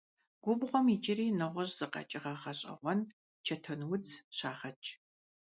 Губгъуэм иджыри нэгъуэщӀ зы къэкӀыгъэ гъэщӀэгъуэн – чэтэнудз - щагъэкӀ.